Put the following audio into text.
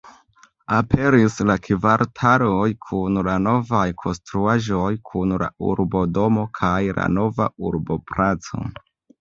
Aperis la kvartaloj kun la novaj konstruaĵoj kun la urbodomo kaj la nova urboplaco.